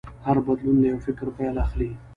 هر بدلون له یو فکر پیل اخلي.